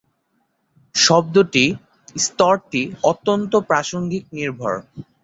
শব্দটি "স্তরটি" অত্যন্ত প্রাসঙ্গিক-নির্ভর।